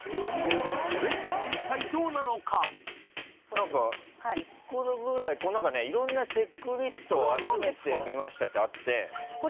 何か１個ぐらいいろんなチェックリストを集めてみましたってあって。